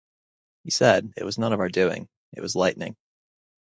He said 'It was none of our doing, it was lightning.